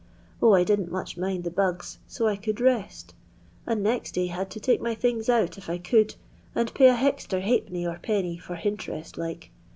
0, I didn't much mind the bugs, so I could rest ; and next day had to take my things ont if I could, and pay a hexter ha'penny or penny, fi>r hintrest, like.